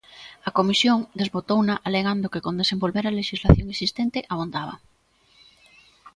A Comisión, desbotouna alegando que con desenvolver a lexislación existente abondaba.